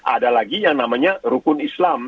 ada lagi yang namanya rukun islam